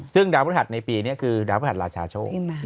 ซึ่งดาวพฤหัสในปีนี้คือดาวพระหัสราชาโชค